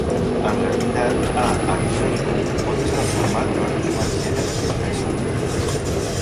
En realitat, "A. arizonicum" pot estar format per uns quants gèneres i espècies.